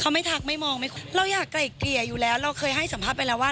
เขาไม่ทักไม่มองไม่คุยเราอยากไกลเกลี่ยอยู่แล้วเราเคยให้สัมภาษณ์ไปแล้วว่า